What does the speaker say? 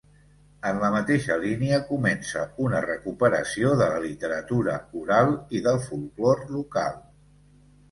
En la mateixa línia comença una recuperació de la literatura oral i del folklore local.